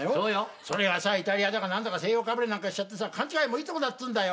それがさイタリアだか何だか西洋かぶれなんかしちゃってさ勘違いもいいとこだっつうんだよ。